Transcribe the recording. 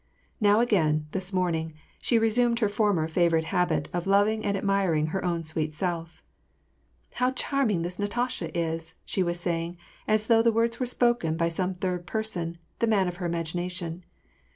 Now again, this morning, she resumed her former favorite habit of loving and admiring her own sweet self. << How charming this Natasha is !" she was saving, as though the words were spoken by some third person, the man of her imagination.